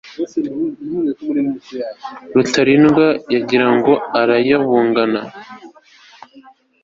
rutalindwa yagirango ariyubangana